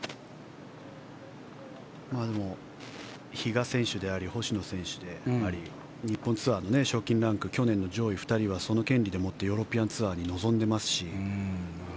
でも比嘉選手であり星野選手であり日本ツアーの賞金ランク去年の上位２人はその権利でもってヨーロピアンツアーに臨んでいますし。